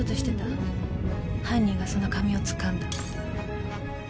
犯人はその髪をつかんだ。